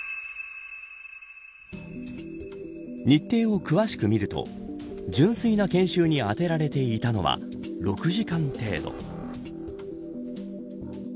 日程を詳しく見ると純粋な研修に充てられていたのは６時間程度。